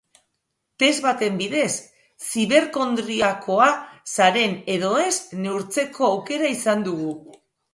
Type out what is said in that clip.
Test baten bidez ziberkondriakoa zaren edo ez neurtzeko aukera izan dugu.